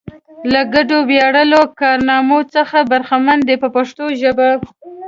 له ګډو ویاړلو کارنامو څخه برخمن دي په پښتو ژبه.